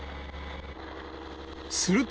すると。